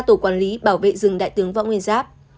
tổ quản lý bảo vệ rừng đại tướng võ nguyên giáp